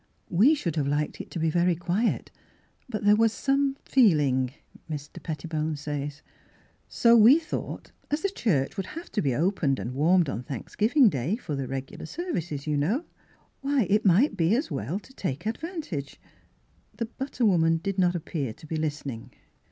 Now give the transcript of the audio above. We should have liked it to be very quiet, but there was some feeling — Mr. Pettibone says. So we thought as the church would have to be opened and warmed on Thanks Aliss Philura's Wedding Gown giving Day — for the regular services. you know — "^hy, it might be as well to take advantage —" The butter woman did not appear to be listening.